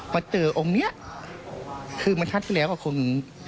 ก็เจอองค์เนี้ยคือมันชาติที่แล้วก็คง